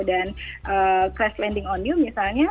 dan crash landing on you misalnya